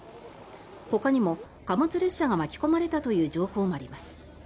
ほかにも貨物列車が巻き込まれたという情報もあります。